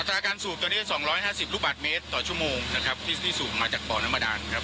ราการสูบตอนนี้๒๕๐ลูกบาทเมตรต่อชั่วโมงนะครับที่สูบมาจากบ่อน้ำบาดานครับ